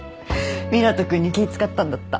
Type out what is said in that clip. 湊斗君に気使ったんだった。